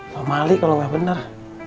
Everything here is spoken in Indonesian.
pemali kalau nggak benar